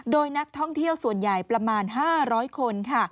โดยนักท่องเที่ยวส่วนใหญ่ประมาณ๕๐๐คน